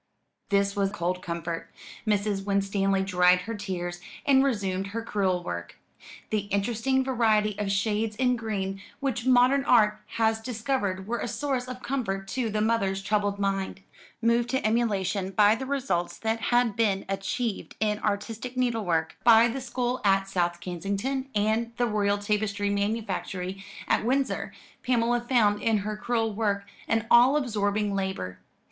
This was cold comfort. Mrs. Winstanley dried her tears, and resumed her crewel work. The interesting variety of shades in green which modern art has discovered were a source of comfort to the mother's troubled mind. Moved to emulation by the results that had been achieved in artistic needle work by the school at South Kensington and the Royal Tapestry Manufactory at Windsor, Pamela found in her crewel work an all absorbing labour.